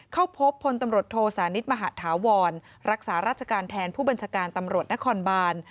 เข้าพบพลตำรวจโทสานิทมหาธาวรรักษาราชการแทนผู้บัญชาการตำรวจนครบาน